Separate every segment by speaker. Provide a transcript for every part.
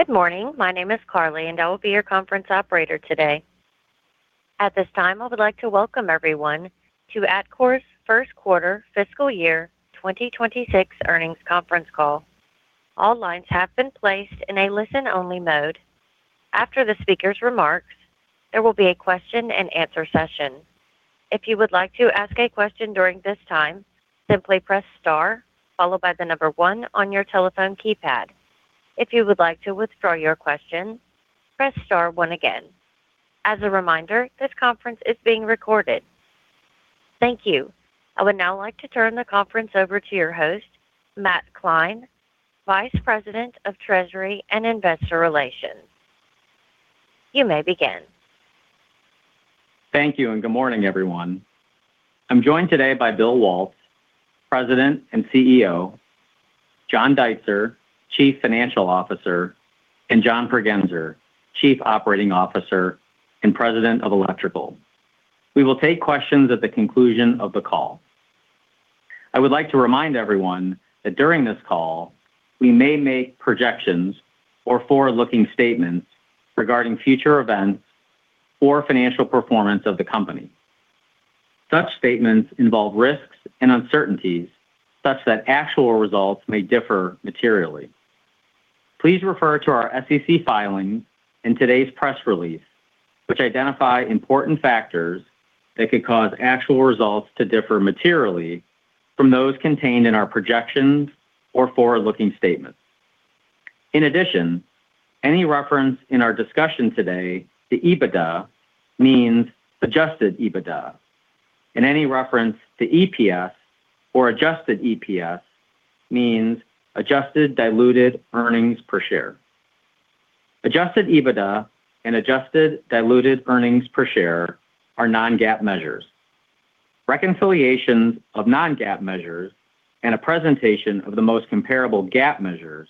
Speaker 1: Good morning. My name is Carly, and I will be your conference operator today. At this time, I would like to welcome everyone to Atkore's Q1 Fiscal Year 2026 Earnings Conference Call. All lines have been placed in a listen-only mode. After the speaker's remarks, there will be a question-and-answer session. If you would like to ask a question during this time, simply press star, followed by the number 1 on your telephone keypad. If you would like to withdraw your question, press star 1 again. As a reminder, this conference is being recorded. Thank you. I would now like to turn the conference over to your host, Matt Klein, Vice President of Treasury and Investor Relations. You may begin.
Speaker 2: Thank you, and good morning, everyone. I'm joined today by Bill Waltz, President and CEO, John Deitzer, Chief Financial Officer, and John Pregenzer, Chief Operating Officer and President of Electrical. We will take questions at the conclusion of the call. I would like to remind everyone that during this call, we may make projections or forward-looking statements regarding future events or financial performance of the company. Such statements involve risks and uncertainties such that actual results may differ materially. Please refer to our SEC filing and today's press release, which identify important factors that could cause actual results to differ materially from those contained in our projections or forward-looking statements. In addition, any reference in our discussion today to EBITDA means adjusted EBITDA, and any reference to EPS or adjusted EPS means adjusted diluted earnings per share. Adjusted EBITDA and adjusted diluted earnings per share are non-GAAP measures. Reconciliations of non-GAAP measures and a presentation of the most comparable GAAP measures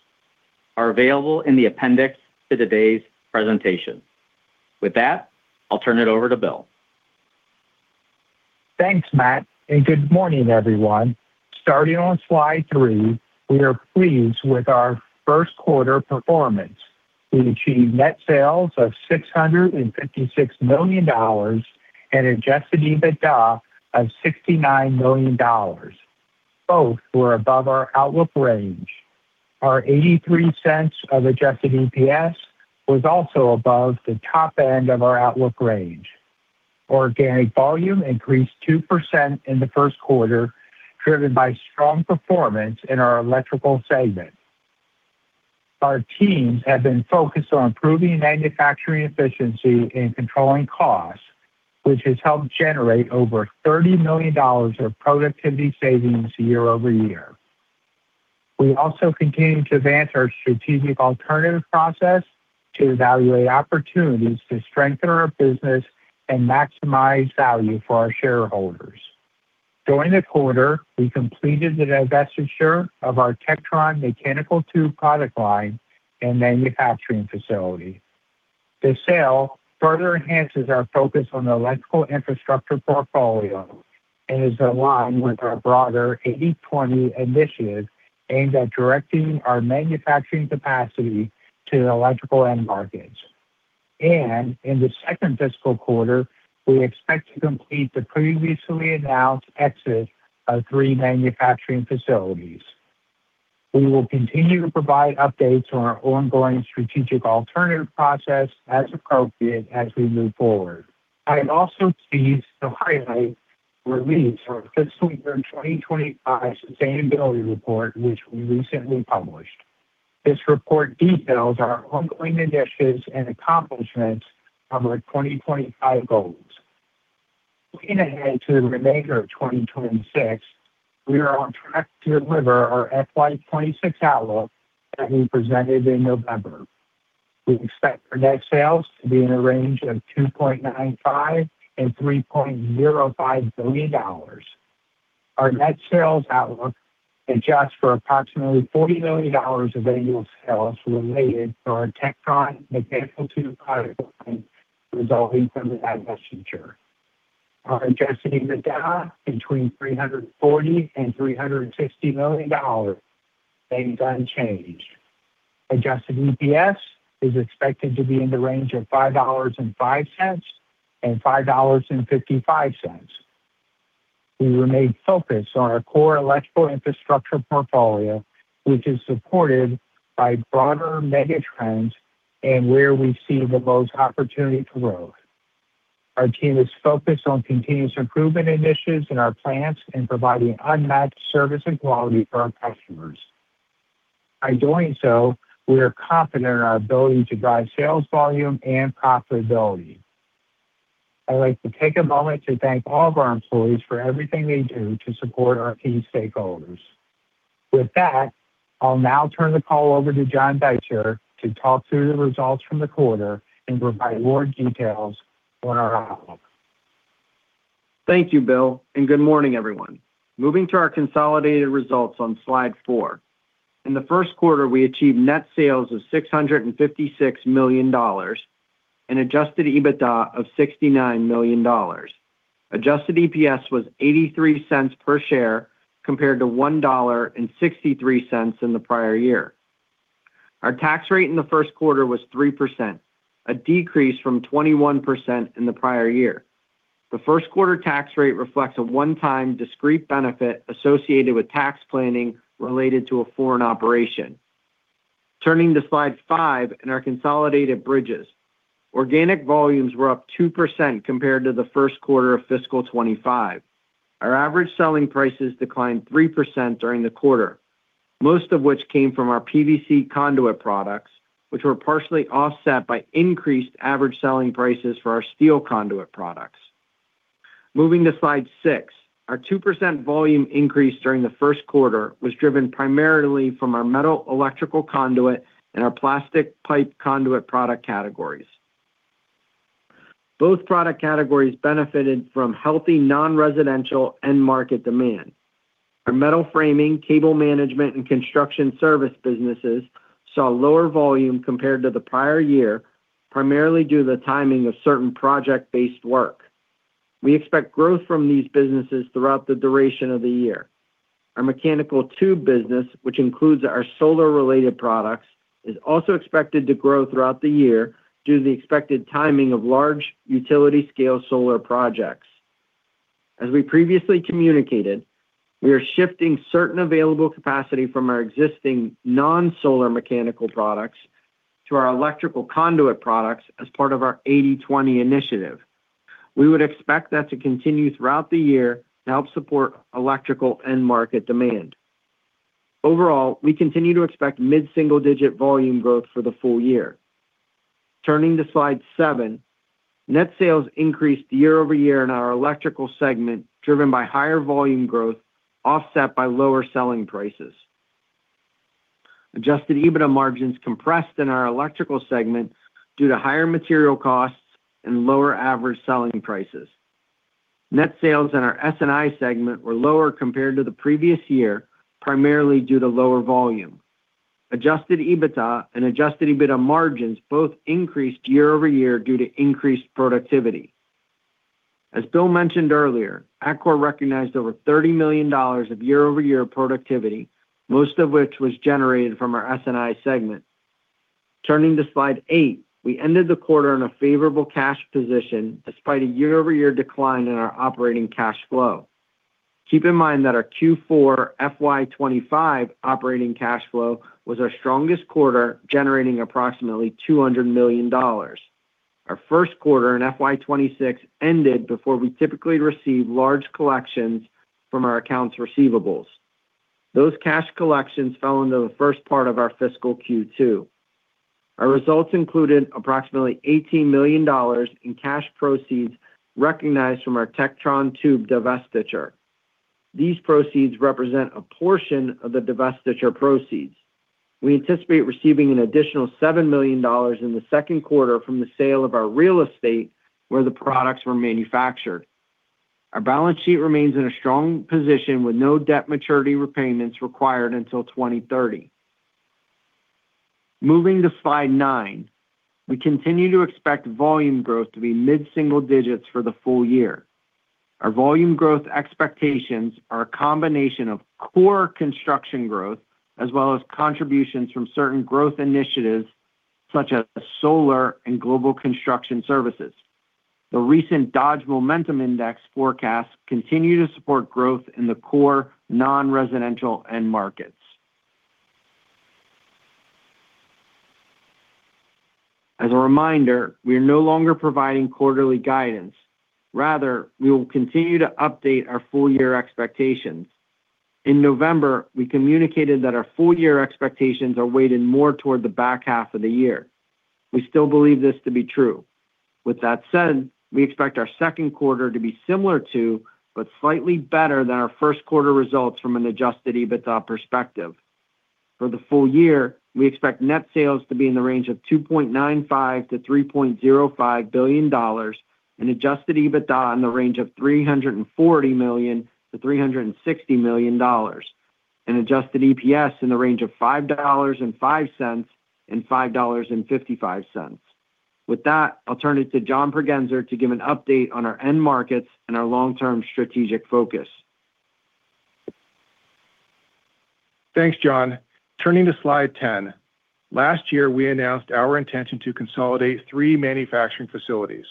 Speaker 2: are available in the appendix to today's presentation. With that, I'll turn it over to Bill.
Speaker 3: Thanks, Matt, and good morning, everyone. Starting on slide 3, we are pleased with our Q1 performance. We achieved net sales of $656 million and Adjusted EBITDA of $69 million. Both were above our outlook range. Our $0.83 of Adjusted EPS was also above the top end of our outlook range. Organic volume increased 2% in the Q1, driven by strong performance in our electrical segment. Our teams have been focused on improving manufacturing efficiency and controlling costs, which has helped generate over $30 million of productivity savings year-over-year. We also continue to advance our strategic alternative process to evaluate opportunities to strengthen our business and maximize value for our shareholders. During the quarter, we completed the divestiture of our TekTube mechanical tube product line and manufacturing facility. The sale further enhances our focus on the electrical infrastructure portfolio and is aligned with our broader 80/20 Initiative, aimed at directing our manufacturing capacity to the electrical end markets. In the second fiscal quarter, we expect to complete the previously announced exit of three manufacturing facilities. We will continue to provide updates on our ongoing strategic alternative process as appropriate as we move forward. I am also pleased to highlight the release of our fiscal year 2025 sustainability report, which we recently published. This report details our ongoing initiatives and accomplishments on our 2025 goals. Looking ahead to the remainder of 2026, we are on track to deliver our FY 2026 outlook that we presented in November. We expect our net sales to be in a range of $2.95-$3.05 billion. Our net sales outlook adjusts for approximately $40 million of annual sales related to our TekTube mechanical tube product line, resulting from the divestiture. Our adjusted EBITDA between $340 million and $360 million remains unchanged. Adjusted EPS is expected to be in the range of $5.05 and $5.55. We remain focused on our core electrical infrastructure portfolio, which is supported by broader mega trends and where we see the most opportunity to grow. Our team is focused on continuous improvement initiatives in our plants and providing unmatched service and quality for our customers. By doing so, we are confident in our ability to drive sales, volume, and profitability. I'd like to take a moment to thank all of our employees for everything they do to support our key stakeholders. With that, I'll now turn the call over to John Deitzer to talk through the results from the quarter and provide more details on our outlook.
Speaker 4: Thank you, Bill, and good morning, everyone. Moving to our consolidated results on slide four. In the Q1, we achieved net sales of $656 million and Adjusted EBITDA of $69 million. Adjusted EPS was $0.83 per share, compared to $1.63 in the prior year. Our tax rate in the Q1 was 3%, a decrease from 21% in the prior year. The Q1 tax rate reflects a one-time discrete benefit associated with tax planning related to a foreign operation. Turning to slide 5 in our consolidated bridges. Organic volumes were up 2% compared to the Q1 of fiscal 2025. Our average selling prices declined 3% during the quarter, most of which came from our PVC conduit products, which were partially offset by increased average selling prices for our steel conduit products. Moving to slide 6. Our 2% volume increase during the Q1 was driven primarily from our metal electrical conduit and our plastic pipe conduit product categories. Both product categories benefited from healthy non-residential end market demand. Our metal framing, cable management, and construction service businesses saw lower volume compared to the prior year, primarily due to the timing of certain project-based work. We expect growth from these businesses throughout the duration of the year. Our mechanical tube business, which includes our solar-related products, is also expected to grow throughout the year due to the expected timing of large utility-scale solar projects. As we previously communicated, we are shifting certain available capacity from our existing non-solar mechanical products to our electrical conduit products as part of our 80/20 Initiative. We would expect that to continue throughout the year to help support electrical end market demand. Overall, we continue to expect mid-single-digit volume growth for the full year. Turning to slide 7, net sales increased year-over-year in our electrical segment, driven by higher volume growth, offset by lower selling prices. Adjusted EBITDA margins compressed in our electrical segment due to higher material costs and lower average selling prices. Net sales in our S&I segment were lower compared to the previous year, primarily due to lower volume. Adjusted EBITDA and adjusted EBITDA margins both increased year-over-year due to increased productivity. As Bill mentioned earlier, Atkore recognized over $30 million of year-over-year productivity, most of which was generated from our S&I segment. Turning to slide 8, we ended the quarter in a favorable cash position, despite a year-over-year decline in our operating cash flow. Keep in mind that our Q4 FY 2025 operating cash flow was our strongest quarter, generating approximately $200 million. Our Q1 in FY 2026 ended before we typically receive large collections from our accounts receivables. Those cash collections fell into the first part of our fiscal Q2. Our results included approximately $18 million in cash proceeds recognized from our TekTube divestiture. These proceeds represent a portion of the divestiture proceeds. We anticipate receiving an additional $7 million in the Q2 from the sale of our real estate, where the products were manufactured. Our balance sheet remains in a strong position with no debt maturity repayments required until 2030. Moving to slide 9. We continue to expect volume growth to be mid-single digits for the full year. Our volume growth expectations are a combination of core construction growth, as well as contributions from certain growth initiatives, such as solar and global construction services. The recent Dodge Momentum Index forecast continue to support growth in the core non-residential end markets. As a reminder, we are no longer providing quarterly guidance. Rather, we will continue to update our full-year expectations. In November, we communicated that our full-year expectations are weighted more toward the back half of the year. We still believe this to be true. With that said, we expect our Q2 to be similar to, but slightly better than our Q1 results from an Adjusted EBITDA perspective. For the full year, we expect net sales to be in the range of $2.95-$3.05 billion, and Adjusted EBITDA in the range of $340-$360 million, and Adjusted EPS in the range of $5.05-$5.55. With that, I'll turn it to John Pregenzer to give an update on our end markets and our long-term strategic focus.
Speaker 5: Thanks, John. Turning to slide 10. Last year, we announced our intention to consolidate three manufacturing facilities.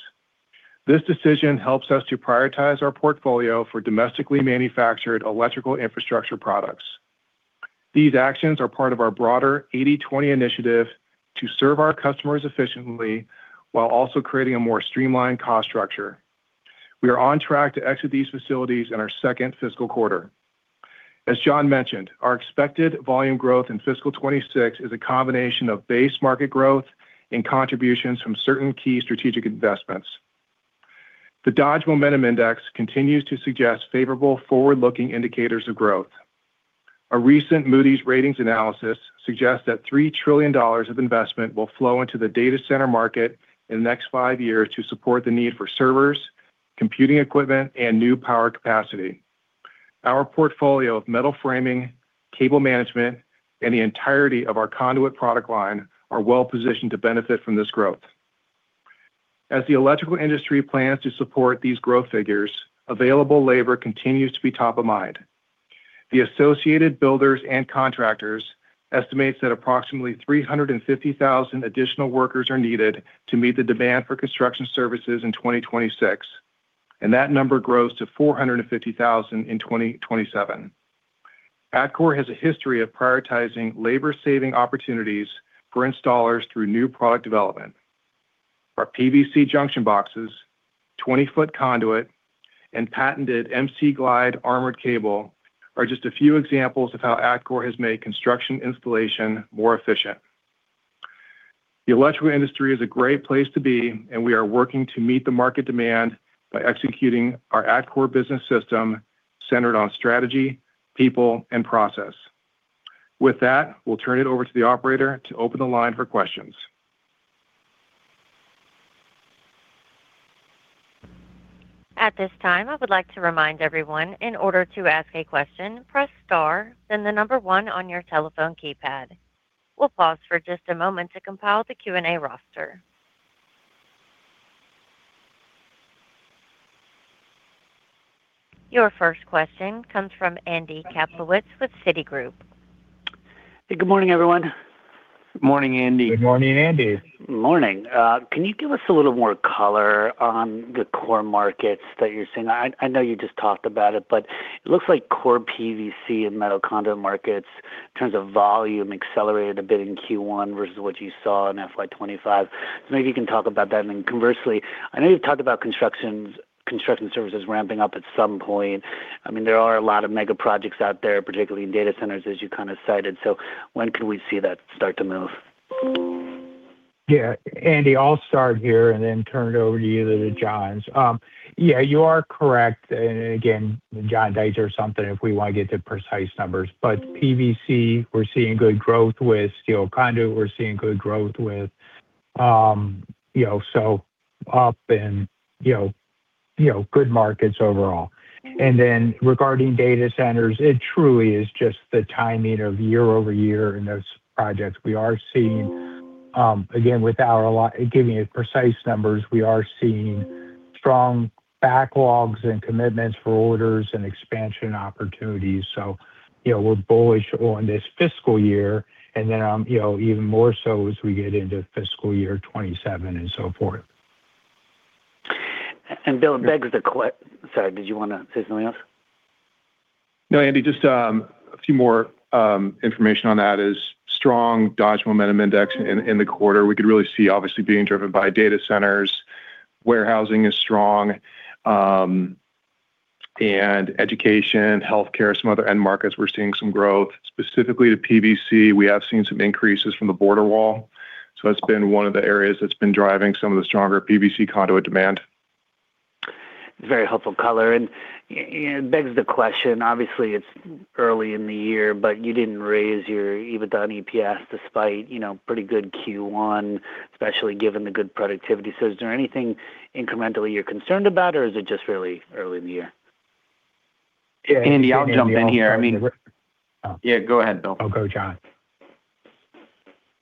Speaker 5: This decision helps us to prioritize our portfolio for domestically manufactured electrical infrastructure products. These actions are part of our broader 80/20 Initiative to serve our customers efficiently while also creating a more streamlined cost structure. We are on track to exit these facilities in our second fiscal quarter. As John mentioned, our expected volume growth in fiscal 2026 is a combination of base market growth and contributions from certain key strategic investments. The Dodge Momentum Index continues to suggest favorable forward-looking indicators of growth. A recent Moody's Ratings analysis suggests that $3 trillion of investment will flow into the data center market in the next 5 years to support the need for servers, computing equipment, and new power capacity. Our portfolio of metal framing, cable management, and the entirety of our conduit product line are well positioned to benefit from this growth. As the electrical industry plans to support these growth figures, available labor continues to be top of mind. The Associated Builders and Contractors estimates that approximately 350,000 additional workers are needed to meet the demand for construction services in 2026, and that number grows to 450,000 in 2027. Atkore has a history of prioritizing labor-saving opportunities for installers through new product development. Our PVC junction boxes, 20-foot conduit, and patented MC Glide armored cable are just a few examples of how Atkore has made construction installation more efficient. The electrical industry is a great place to be, and we are working to meet the market demand by executing our Atkore Business System centered on strategy, people, and process. With that, we'll turn it over to the operator to open the line for questions.
Speaker 1: At this time, I would like to remind everyone, in order to ask a question, press Star, then the number one on your telephone keypad. We'll pause for just a moment to compile the Q&A roster. Your first question comes from Andy Kaplowitz with Citigroup.
Speaker 6: Good morning, everyone.
Speaker 3: Morning, Andy.
Speaker 5: Good morning, Andy.
Speaker 6: Morning. Can you give us a little more color on the core markets that you're seeing? I know you just talked about it, but it looks like core PVC and metal conduit markets, in terms of volume, accelerated a bit in Q1 versus what you saw in FY 2025. So maybe you can talk about that. And then conversely, I know you've talked about construction services ramping up at some point. I mean, there are a lot of mega projects out there, particularly in data centers, as you kind of cited. So when can we see that start to move?
Speaker 3: Yeah, Andy, I'll start here and then turn it over to either of the Johns. Yeah, you are correct. Again, John, I'll defer to you if we want to get to precise numbers. But PVC, we're seeing good growth with steel conduit. We're seeing good growth with, you know, good markets overall. And then, regarding data centers, it truly is just the timing of year-over-year in those projects. We are seeing, again, without giving you precise numbers, we are seeing strong backlogs and commitments for orders and expansion opportunities. So, you know, we're bullish on this fiscal year, and then, you know, even more so as we get into fiscal year 2027 and so forth.
Speaker 6: Bill, sorry, did you want to say something else?
Speaker 5: No, Andy, just a few more information on that is strong Dodge Momentum Index in the quarter. We could really see obviously being driven by data centers. Warehousing is strong, and education, healthcare, some other end markets, we're seeing some growth. Specifically to PVC, we have seen some increases from the border wall, so that's been one of the areas that's been driving some of the stronger PVC conduit demand.
Speaker 6: Very helpful color, and it begs the question, obviously, it's early in the year, but you didn't raise your EBITDA and EPS despite, you know, pretty good Q1, especially given the good productivity. So is there anything incrementally you're concerned about, or is it just really early in the year?
Speaker 3: Andy, I'll jump in here. I mean-
Speaker 5: Yeah, go ahead, Bill.
Speaker 3: Oh, go, John.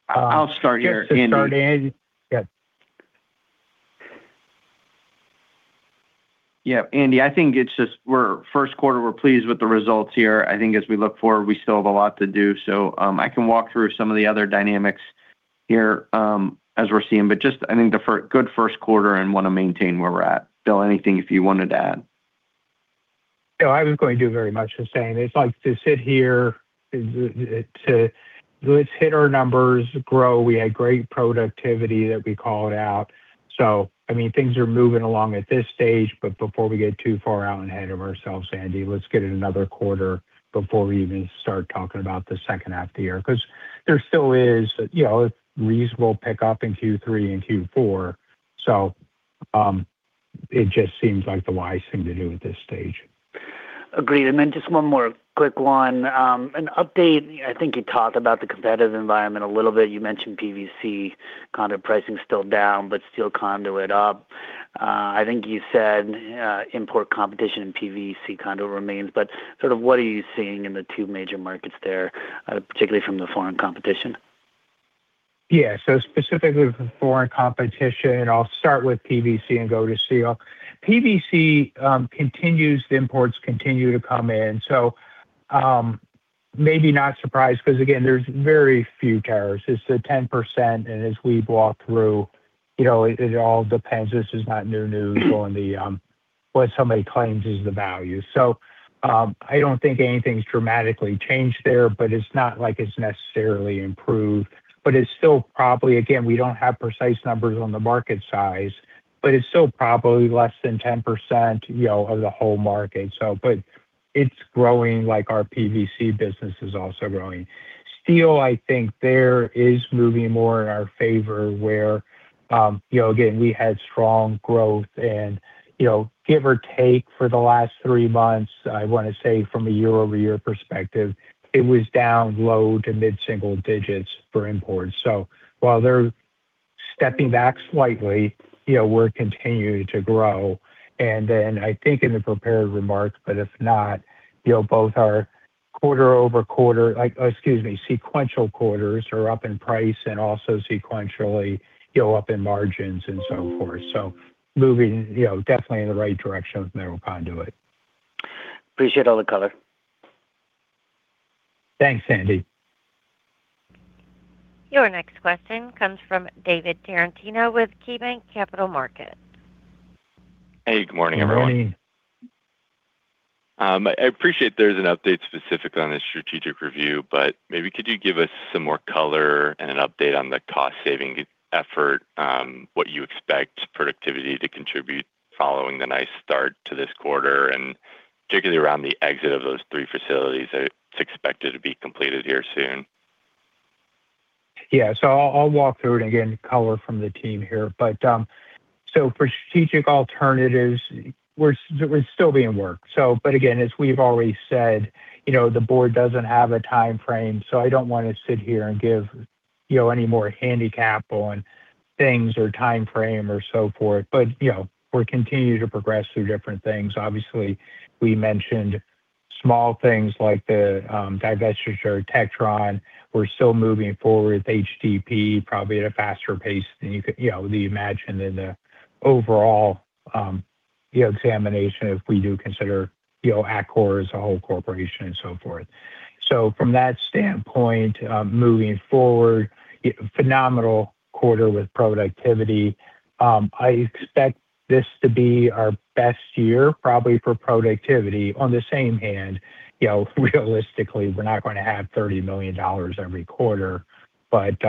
Speaker 5: I'll start here, Andy.
Speaker 3: Start, Andy. Yeah.
Speaker 5: Yeah, Andy, I think it's just we're Q1, we're pleased with the results here. I think as we look forward, we still have a lot to do, so, I can walk through some of the other dynamics here, as we're seeing. But just, I think, the good Q1 and want to maintain where we're at. Bill, anything you wanted to add?
Speaker 3: No, I was going to do very much the same. It's like to sit here, let's hit our numbers, grow. We had great productivity that we called out. So, I mean, things are moving along at this stage, but before we get too far out ahead of ourselves, Andy, let's get in another quarter before we even start talking about the second half of the year. Because there still is, you know, a reasonable pickup in Q3 and Q4, so, it just seems like the wise thing to do at this stage.
Speaker 6: Agreed. And then just one more quick one. An update, I think you talked about the competitive environment a little bit. You mentioned PVC conduit pricing still down, but steel conduit up. I think you said, import competition in PVC conduit remains, but sort of what are you seeing in the two major markets there, particularly from the foreign competition?
Speaker 3: Yeah, so specifically for foreign competition, I'll start with PVC and go to steel. PVC continues, the imports continue to come in, so, maybe not surprised, because again, there's very few tariffs. It's a 10%, and as we walk through, you know, it all depends. This is not new news on the, what somebody claims is the value. So, I don't think anything's dramatically changed there, but it's not like it's necessarily improved. But it's still probably, again, we don't have precise numbers on the market size, but it's still probably less than 10%, you know, of the whole market. So, but it's growing like our PVC business is also growing. Steel, I think there is moving more in our favor where, you know, again, we had strong growth and, you know, give or take for the last three months, I want to say from a year-over-year perspective, it was down low to mid-single digits for imports. So while they're stepping back slightly, you know, we're continuing to grow. And then I think in the prepared remarks, but if not, you know, both our quarter-over-quarter, like, excuse me, sequential quarters are up in price and also sequentially, you know, up in margins and so forth. So moving, you know, definitely in the right direction with metal conduit.
Speaker 6: Appreciate all the color.
Speaker 3: Thanks, Andy.
Speaker 1: Your next question comes from David Tarantino with KeyBank Capital Markets.
Speaker 7: Hey, good morning, everyone.
Speaker 3: Good morning.
Speaker 7: I appreciate there's an update specific on the strategic review, but maybe could you give us some more color and an update on the cost-saving effort, what you expect productivity to contribute following the nice start to this quarter, and particularly around the exit of those three facilities that's expected to be completed here soon?
Speaker 3: Yeah, so I'll walk through it again, color from the team here. But, so strategic alternatives, we're still being worked. So but again, as we've already said, you know, the board doesn't have a timeframe, so I don't want to sit here and give, you know, any more handicap on things or timeframe or so forth. But, you know, we're continuing to progress through different things. Obviously, we mentioned small things like the divestiture, TekTube. We're still moving forward with HDPE, probably at a faster pace than you could, you know, we imagined in the overall, you know, examination, if we do consider, you know, Atkore as a whole corporation and so forth. So from that standpoint, moving forward, a phenomenal quarter with productivity. I expect this to be our best year, probably for productivity. On the same hand, you know, realistically, we're not going to have $30 million every quarter. But,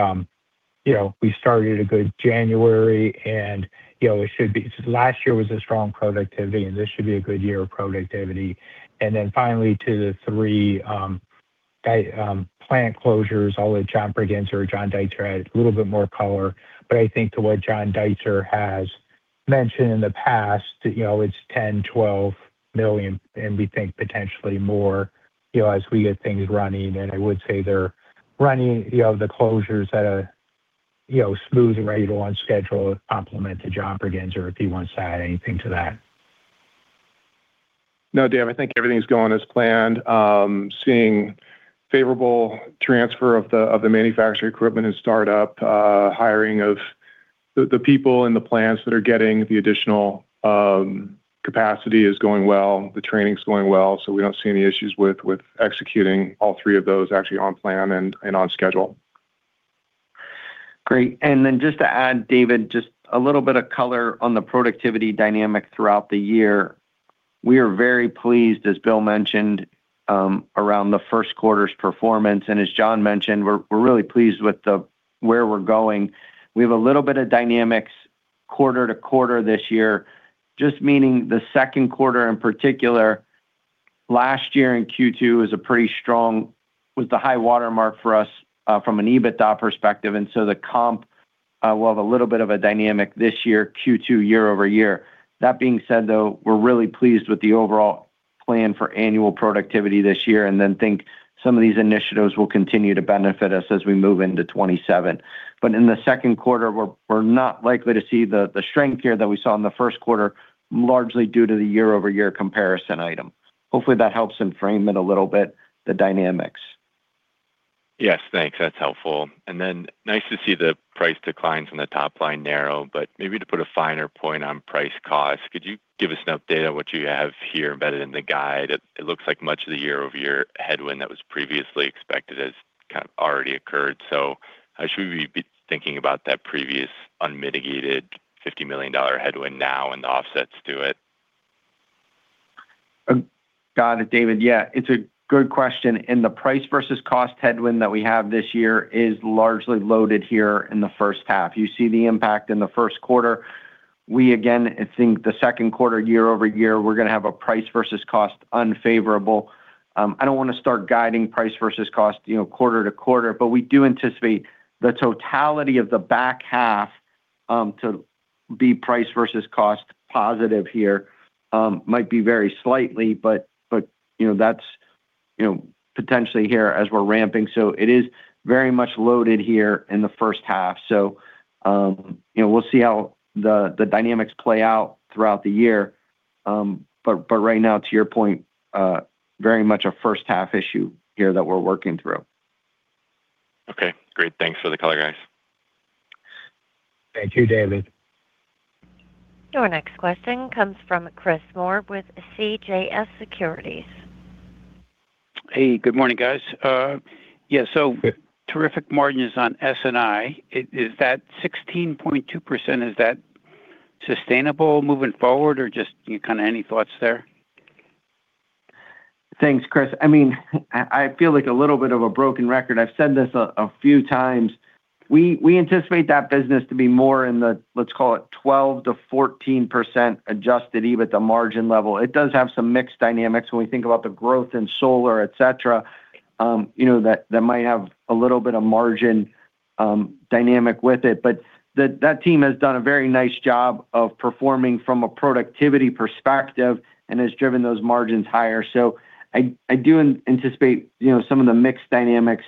Speaker 3: you know, we started a good January, and, you know, it should be last year was a strong productivity, and this should be a good year of productivity. And then finally, to the three key plant closures, I'll let John Pregenzer or John Deitzer add a little bit more color. But I think to what John Deitzer has mentioned in the past, that, you know, it's $10-$12 million, and we think potentially more, you know, as we get things running. And I would say they're running, you know, the closures at a, you know, smooth and ready to go on schedule, compliment to John Pregenzer, if he wants to add anything to that.
Speaker 5: No, Dave, I think everything's going as planned. Seeing favorable transfer of the manufacturing equipment and startup, hiring of the people in the plants that are getting the additional capacity is going well. The training is going well, so we don't see any issues with executing all three of those actually on plan and on schedule.
Speaker 4: Great. Then just to add, David, just a little bit of color on the productivity dynamic throughout the year. We are very pleased, as Bill mentioned, around the first quarter's performance, and as John mentioned, we're really pleased with where we're going. We have a little bit of dynamics quarter-to-quarter this year, just meaning the Q2, in particular, last year in Q2 was the high watermark for us from an EBITDA perspective, and so the comp will have a little bit of a dynamic this year, Q2 year-over-year. That being said, though, we're really pleased with the overall plan for annual productivity this year, and then think some of these initiatives will continue to benefit us as we move into 2027. But in the Q2, we're not likely to see the strength here that we saw in the Q1, largely due to the year-over-year comparison item. Hopefully, that helps him frame it a little bit, the dynamics.
Speaker 7: Yes, thanks. That's helpful. And then nice to see the price declines on the top line narrow, but maybe to put a finer point on price cost, could you give us an update on what you have here embedded in the guide? It looks like much of the year-over-year headwind that was previously expected has kind of already occurred. So how should we be thinking about that previous unmitigated $50 million headwind now and the offsets to it?
Speaker 4: Got it, David. Yeah, it's a good question. The price versus cost headwind that we have this year is largely loaded here in the first half. You see the impact in the Q1. We, again, I think the Q2, year-over-year, we're going to have a price versus cost unfavorable. I don't want to start guiding price versus cost, you know, quarter-to-quarter, but we do anticipate the totality of the back half to be price versus cost positive here. Might be very slightly, but you know, that's you know, potentially here as we're ramping. It is very much loaded here in the first half. So, you know, we'll see how the dynamics play out throughout the year. But right now, to your point, very much a first-half issue here that we're working through.
Speaker 7: Okay, great. Thanks for the color, guys.
Speaker 3: Thank you, David.
Speaker 1: Your next question comes from Chris Moore with CJS Securities.
Speaker 8: Hey, good morning, guys. Yeah, so-
Speaker 3: Hey
Speaker 8: Terrific margins on S&I. Is, is that 16.2%, is that sustainable moving forward or just, you know, kind of any thoughts there?
Speaker 4: Thanks, Chris. I mean, I feel like a little bit of a broken record. I've said this a few times. We anticipate that business to be more in the, let's call it, 12%-14% adjusted, even at the margin level. It does have some mixed dynamics when we think about the growth in solar, et cetera, you know, that might have a little bit of margin dynamic with it. But that team has done a very nice job of performing from a productivity perspective and has driven those margins higher. So I do anticipate, you know, some of the mixed dynamics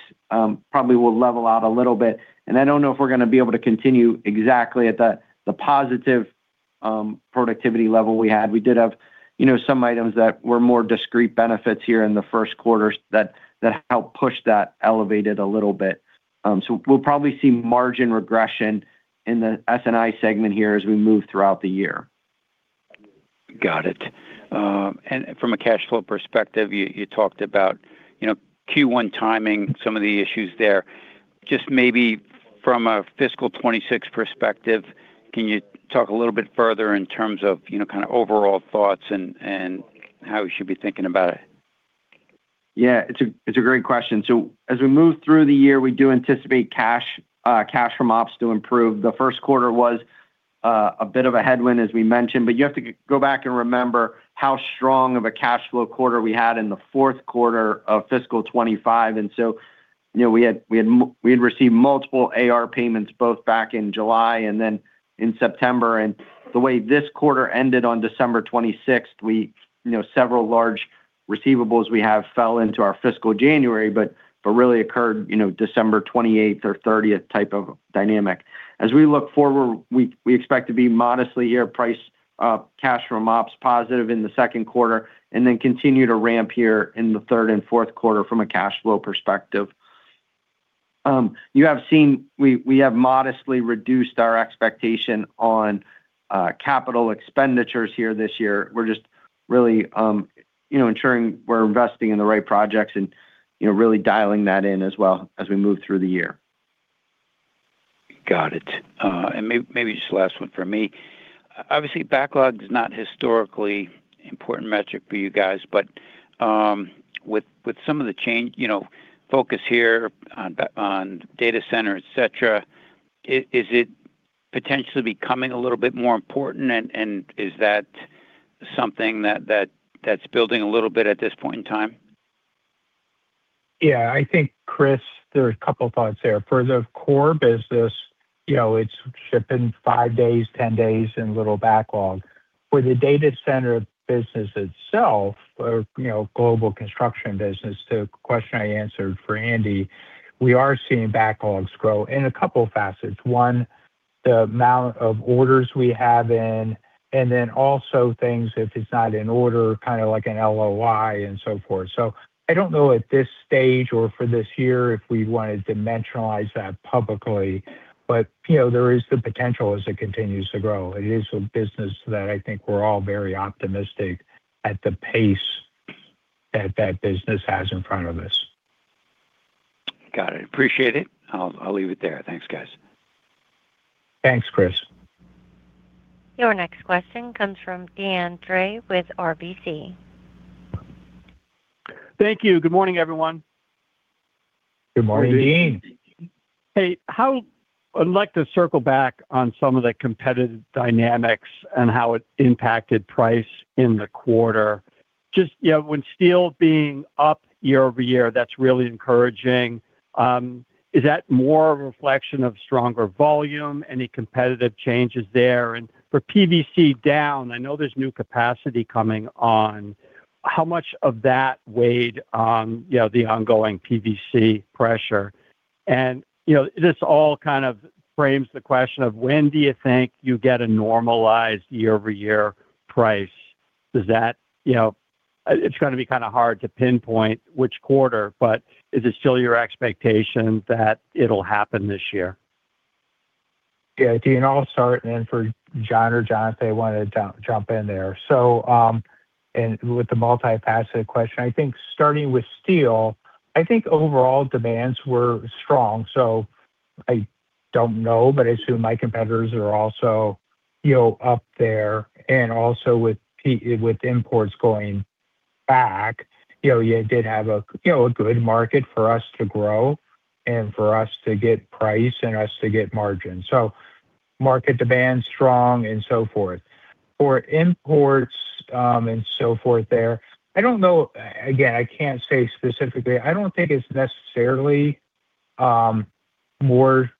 Speaker 4: probably will level out a little bit, and I don't know if we're going to be able to continue exactly at the positive productivity level we had. We did have, you know, some items that were more discrete benefits here in the Q1 that helped push that elevated a little bit. We'll probably see margin regression in the S&I segment here as we move throughout the year.
Speaker 8: Got it. And from a cash flow perspective, you, you talked about, you know, Q1 timing, some of the issues there. Just maybe from a fiscal 2026 perspective, can you talk a little bit further in terms of, you know, kinda overall thoughts and, and how we should be thinking about it?
Speaker 4: Yeah, it's a great question. So as we move through the year, we do anticipate cash, cash from ops to improve. The Q1 was a bit of a headwind, as we mentioned, but you have to go back and remember how strong of a cash flow quarter we had in the Q4 of fiscal 2025. And so, you know, we had received multiple AR payments, both back in July and then in September. And the way this quarter ended on December 26th, you know, several large receivables we have fell into our fiscal January, but really occurred, you know, December 28th or 30th type of dynamic. As we look forward, we expect to be modestly year-to-date cash from ops positive in the Q2, and then continue to ramp here in the third and Q4 from a cash flow perspective. You have seen. We have modestly reduced our expectation on capital expenditures here this year. We're just really, you know, ensuring we're investing in the right projects and, you know, really dialing that in as well as we move through the year.
Speaker 8: Got it. And maybe just last one from me. Obviously, backlog is not historically important metric for you guys, but with some of the change, you know, focus here on data center, et cetera, is it potentially becoming a little bit more important? And is that something that's building a little bit at this point in time?
Speaker 3: Yeah, I think, Chris, there are a couple thoughts there. For the core business, you know, it's shipping 5 days, 10 days, and little backlog. For the data center business itself, or, you know, global construction business, the question I answered for Andy, we are seeing backlogs grow in a couple of facets. One, the amount of orders we have in, and then also things, if it's not in order, kinda like an LOI and so forth. So I don't know at this stage or for this year, if we wanna dimensionalize that publicly, but, you know, there is the potential as it continues to grow. It is a business that I think we're all very optimistic at the pace that that business has in front of us.
Speaker 8: Got it. Appreciate it. I'll, I'll leave it there. Thanks, guys.
Speaker 3: Thanks, Chris.
Speaker 1: Your next question comes from Deane Dray with RBC.
Speaker 9: Thank you. Good morning, everyone.
Speaker 3: Good morning, Deane.
Speaker 9: I'd like to circle back on some of the competitive dynamics and how it impacted price in the quarter. Just, you know, when steel being up year-over-year, that's really encouraging. Is that more a reflection of stronger volume? Any competitive changes there? And for PVC down, I know there's new capacity coming on. How much of that weighed on, you know, the ongoing PVC pressure? And, you know, this all kind of frames the question of: When do you think you get a normalized year-over-year price? Does that, you know, it's gonna be kinda hard to pinpoint which quarter, but is it still your expectation that it'll happen this year?
Speaker 3: Yeah, Dean, I'll start, and then for John or Jonathan, if they wanna jump in there. So, and with the multifaceted question, I think starting with steel, I think overall demands were strong. So I don't know, but I assume my competitors are also, you know, up there. And also with imports going back, you know, you did have a, you know, a good market for us to grow and for us to get price and us to get margin. So market demand is strong and so forth. For imports, and so forth there, I don't know, again, I can't say specifically. I don't think it's necessarily, more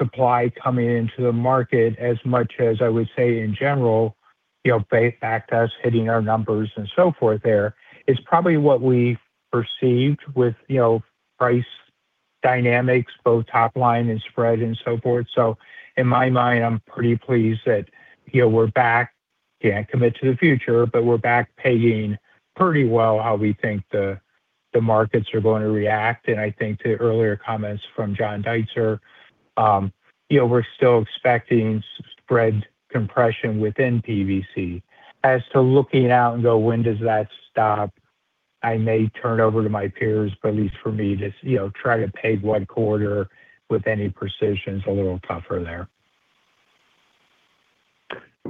Speaker 3: supply coming into the market as much as I would say, in general, you know, back to us hitting our numbers and so forth there. It's probably what we perceived with, you know, price dynamics, both top line and spread and so forth. So in my mind, I'm pretty pleased that, you know, we're back, can't commit to the future, but we're back paying pretty well how we think the, the markets are going to react. And I think to earlier comments from John Deitzer, you know, we're still expecting spread compression within PVC. As to looking out and go, "When does that stop?" I may turn over to my peers, but at least for me, to, you know, try to pave one quarter with any precision is a little tougher there.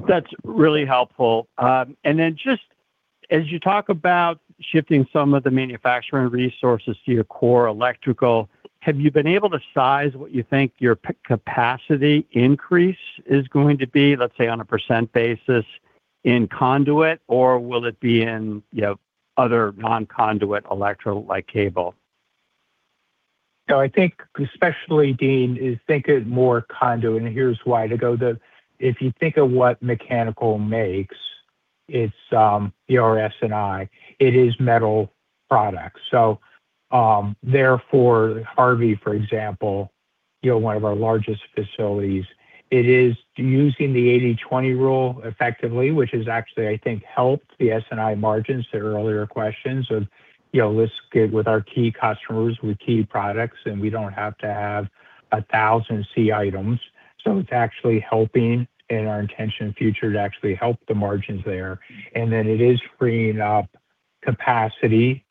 Speaker 9: That's really helpful. And then just as you talk about shifting some of the manufacturing resources to your core electrical, have you been able to size what you think your capacity increase is going to be, let's say, on a percent basis in conduit, or will it be in, you know, other non-conduit electro, like cable?
Speaker 3: So I think, especially, Deane, is think of more conduit, and here's why. To go to. If you think of what mechanical makes, it's the S&I, it is metal products. So, therefore, Harvey, for example, you know, one of our largest facilities, it is using the 80/20 rule effectively, which has actually, I think, helped the S&I margins to earlier questions of, you know, list with our key customers, with key products, and we don't have to have 1,000 C items. So it's actually helping, and our intention in future to actually help the margins there. And then it is freeing up capacity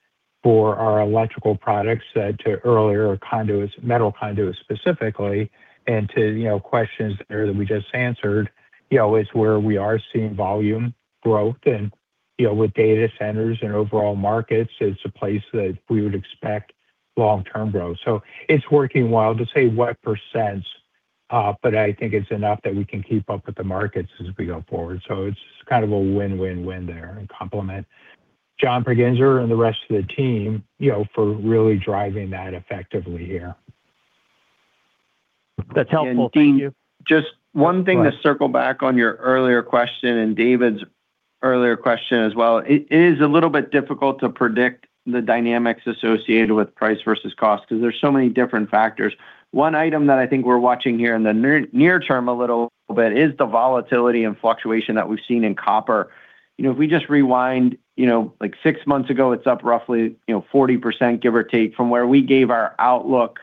Speaker 3: for our electrical products, as said earlier, conduits, metal conduits specifically, and to, you know, questions that we just answered, you know, is where we are seeing volume growth and, you know, with data centers and overall markets, it's a place that we would expect long-term growth. So it's working well to say what percents, but I think it's enough that we can keep up with the markets as we go forward. So it's kind of a win-win-win there, and compliment John Pregenzer and the rest of the team, you know, for really driving that effectively here.
Speaker 9: That's helpful. Thank you.
Speaker 4: Just one thing to circle back on your earlier question and David's earlier question as well. It is a little bit difficult to predict the dynamics associated with price versus cost because there's so many different factors. One item that I think we're watching here in the near term, a little bit, is the volatility and fluctuation that we've seen in copper. You know, if we just rewind, you know, like, six months ago, it's up roughly, you know, 40%, give or take, from where we gave our outlook,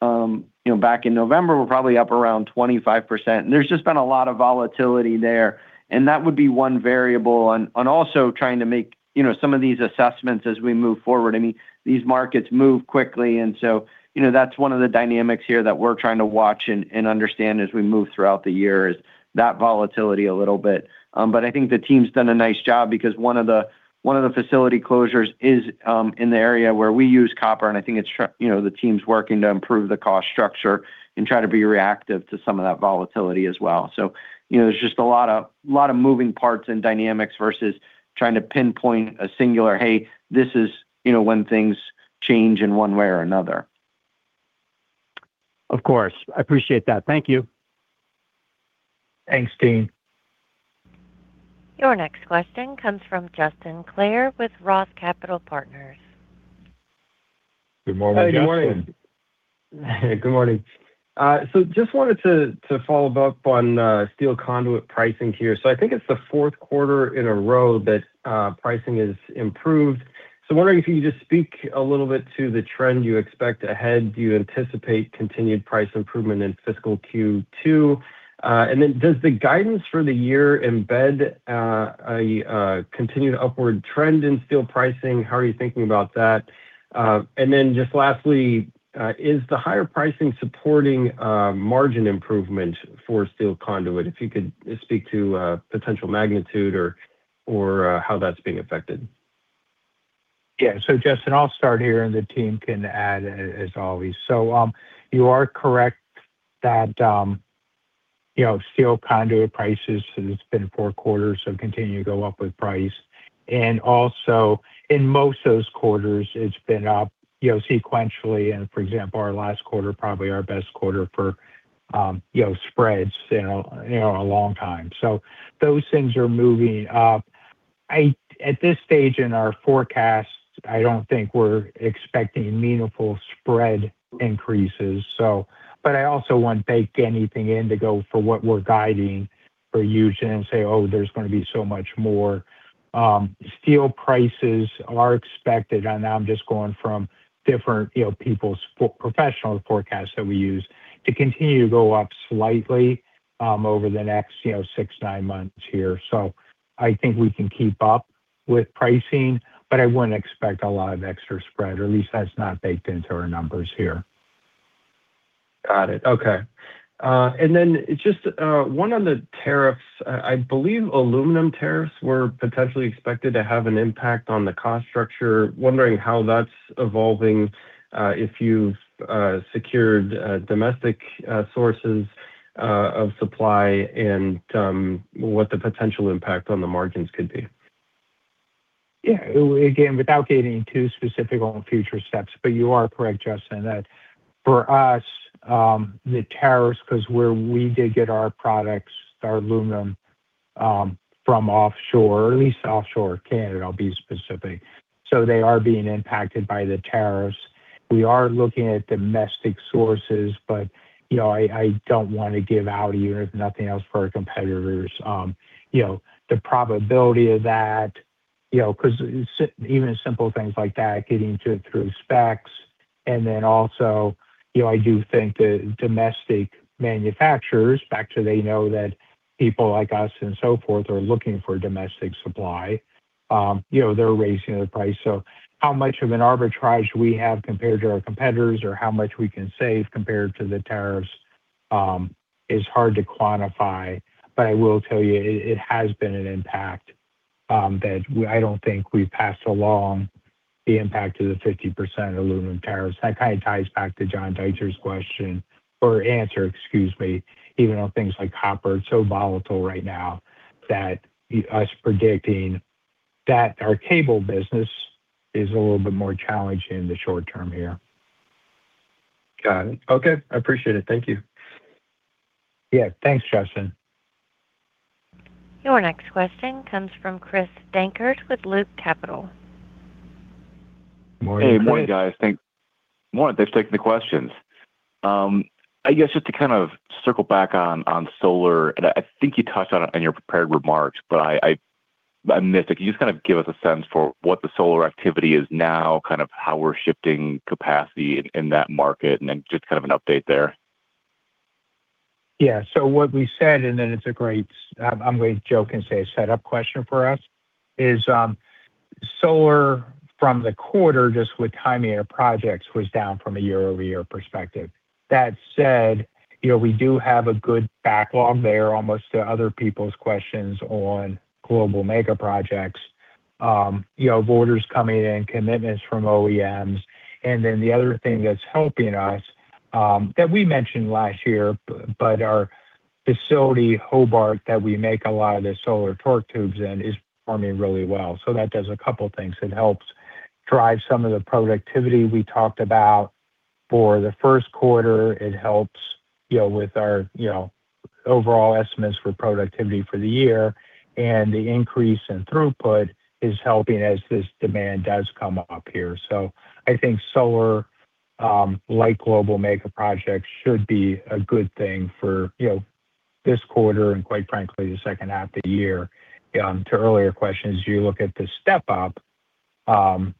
Speaker 4: you know, back in November, we're probably up around 25%. And there's just been a lot of volatility there, and that would be one variable. And also trying to make, you know, some of these assessments as we move forward. I mean, these markets move quickly, and so, you know, that's one of the dynamics here that we're trying to watch and understand as we move throughout the year, is that volatility a little bit. But I think the team's done a nice job because one of the facility closures is in the area where we use copper, and I think it's, you know, the team's working to improve the cost structure and try to be reactive to some of that volatility as well. So, you know, there's just a lot of moving parts and dynamics versus trying to pinpoint a singular, hey, this is, you know, when things change in one way or another.
Speaker 9: Of course. I appreciate that. Thank you.
Speaker 4: Thanks, Dean.
Speaker 1: Your next question comes from Justin Clare with Roth MKM.
Speaker 3: Good morning, Justin. Good morning.
Speaker 10: Good morning. So just wanted to follow up on steel conduit pricing here. So I think it's the Q4 in a row that pricing has improved. So I'm wondering if you could just speak a little bit to the trend you expect ahead. Do you anticipate continued price improvement in fiscal Q2? And then does the guidance for the year embed a continued upward trend in steel pricing? How are you thinking about that? And then just lastly, is the higher pricing supporting margin improvement for steel conduit? If you could speak to potential magnitude or how that's being affected.
Speaker 3: Yeah. So, Justin, I'll start here, and the team can add, as always. So, you are correct that, you know, steel conduit prices, it's been four quarters, so continue to go up with price. And also in most those quarters, it's been up, you know, sequentially, and for example, our last quarter, probably our best quarter for, you know, spreads, you know, you know, a long time. So those things are moving up. At this stage in our forecast, I don't think we're expecting meaningful spread increases, so, but I also won't bake anything in to go for what we're guiding for you to then say, "Oh, there's gonna be so much more." Steel prices are expected, and I'm just going from different, you know, people's professional forecasts that we use, to continue to go up slightly, over the next, you know, 6, 9 months here. So I think we can keep up with pricing, but I wouldn't expect a lot of extra spread, or at least that's not baked into our numbers here.
Speaker 10: Got it. Okay. And then just one on the tariffs. I believe aluminum tariffs were potentially expected to have an impact on the cost structure. Wondering how that's evolving, if you've secured domestic sources of supply, and what the potential impact on the margins could be.
Speaker 3: Yeah. Again, without getting too specific on future steps, but you are correct, Justin, that for us, the tariffs, 'cause where we did get our products, our aluminum, from offshore, or at least offshore Canada, I'll be specific. So they are being impacted by the tariffs. We are looking at domestic sources, but, you know, I, I don't want to give out a year, if nothing else, for our competitors. You know, the probability of that, you know, 'cause even simple things like that, getting to it through specs. And then also, you know, I do think the domestic manufacturers, back to they know that people like us and so forth, are looking for domestic supply, you know, they're raising their price. So how much of an arbitrage we have compared to our competitors or how much we can save compared to the tariffs is hard to quantify. But I will tell you, it, it has been an impact that we—I don't think we've passed along the impact of the 50% aluminum tariffs. That kind of ties back to John Deitzer's question or answer, excuse me. Even on things like copper, it's so volatile right now that us predicting that our cable business is a little bit more challenged in the short term here.
Speaker 10: Got it. Okay, I appreciate it. Thank you.
Speaker 3: Yeah, thanks, Justin.
Speaker 1: Your next question comes from Chris Dankert with Loop Capital.
Speaker 11: Hey, good morning, guys. Thanks. Morning, thanks for taking the questions. I guess just to kind of circle back on solar, and I think you touched on it in your prepared remarks, but I'm missing. Can you just kind of give us a sense for what the solar activity is now, kind of how we're shifting capacity in that market, and then just kind of an update there?
Speaker 3: Yeah. So what we said, and then it's a great, I'm going to joke and say a setup question for us, is, solar from the quarter, just with timely projects, was down from a year-over-year perspective. That said, you know, we do have a good backlog there, answer to other people's questions on global mega projects. You know, orders coming in, commitments from OEMs. And then the other thing that's helping us, that we mentioned last year, but our facility, Hobart, that we make a lot of the solar torque tubes in, is performing really well. So that does a couple of things. It helps drive some of the productivity we talked about for the Q1. It helps, you know, with our, you know, overall estimates for productivity for the year, and the increase in throughput is helping as this demand does come up here. So I think solar, like global mega projects, should be a good thing for, you know, this quarter, and quite frankly, the second half of the year. To earlier questions, you look at the step-up, you know,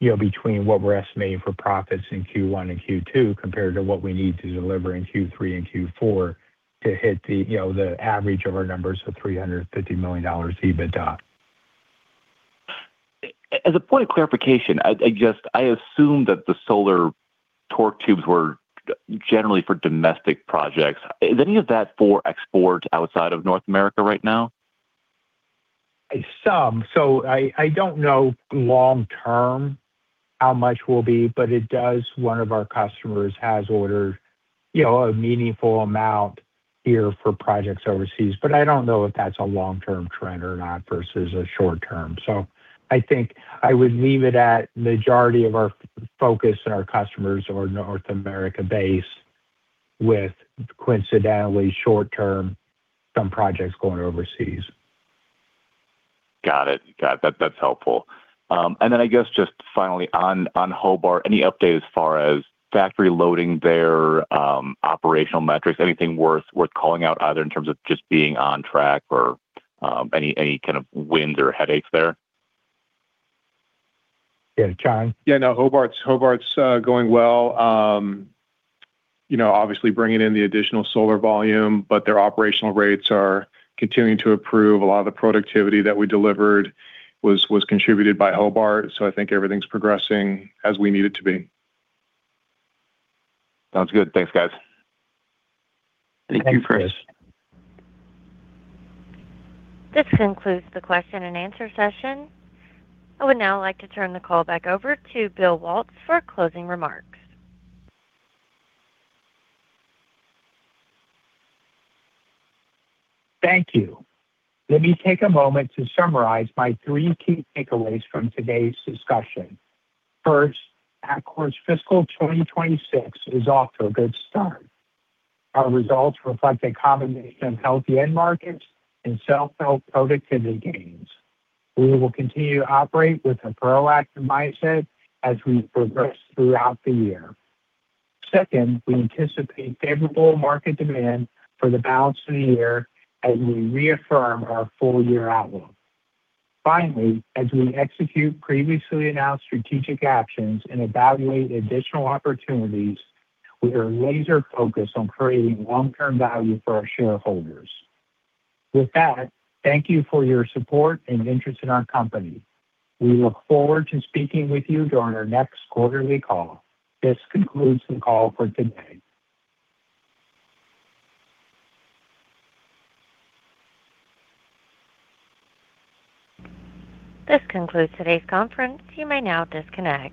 Speaker 3: between what we're estimating for profits in Q1 and Q2, compared to what we need to deliver in Q3 and Q4 to hit the, you know, the average of our numbers of $350 million EBITDA.
Speaker 11: As a point of clarification, I just assume that the solar torque tubes were generally for domestic projects. Is any of that for export outside of North America right now?
Speaker 3: So I don't know long-term how much will be, but it does. One of our customers has ordered, you know, a meaningful amount here for projects overseas. But I don't know if that's a long-term trend or not versus a short-term. So I think I would leave it at majority of our focus on our customers, our North America base with coincidentally short-term, some projects going overseas.
Speaker 11: Got it. Got it. That, that's helpful. And then I guess just finally on, on Hobart, any update as far as factory loading their, operational metrics? Anything worth, worth calling out, either in terms of just being on track or, any, any kind of wins or headaches there?
Speaker 3: Yeah, John?
Speaker 4: Yeah, no, Hobart's, Hobart's, going well. You know, obviously bringing in the additional solar volume, but their operational rates are continuing to improve. A lot of the productivity that we delivered was, was contributed by Hobart, so I think everything's progressing as we need it to be.
Speaker 11: Sounds good. Thanks, guys.
Speaker 3: Thank you, Chris.
Speaker 1: This concludes the question and answer session. I would now like to turn the call back over to Bill Waltz for closing remarks.
Speaker 3: Thank you. Let me take a moment to summarize my three key takeaways from today's discussion. First, Atkore's fiscal 2026 is off to a good start. Our results reflect a combination of healthy end markets and self-help productivity gains. We will continue to operate with a proactive mindset as we progress throughout the year. Second, we anticipate favorable market demand for the balance of the year as we reaffirm our full year outlook. Finally, as we execute previously announced strategic actions and evaluate additional opportunities, we are laser focused on creating long-term value for our shareholders. With that, thank you for your support and interest in our company. We look forward to speaking with you during our next quarterly call. This concludes the call for today.
Speaker 1: This concludes today's conference. You may now disconnect.